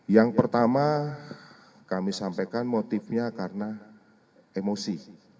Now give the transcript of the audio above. yang pertama kami sampaikan motifnya karena emosi